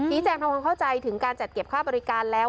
แจงทำความเข้าใจถึงการจัดเก็บค่าบริการแล้ว